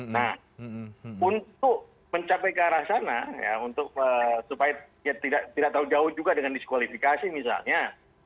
nah untuk mencapai ke arah sana supaya tidak jauh jauh juga dengan diskulifikasi misalnya